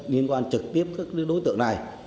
liên quan trực tiếp các đối tượng này